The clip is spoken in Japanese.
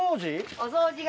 お掃除係。